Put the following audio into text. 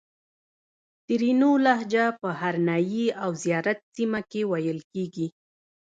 ترینو لهجه په هرنایي او زیارت سیمه کښې ویل کیږي